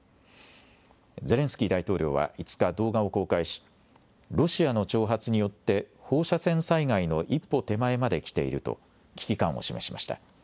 ゼレンスキー大統領は５日、動画を公開し、ロシアの挑発によって、放射線災害の一歩手前まで来ていると危機感を示しました。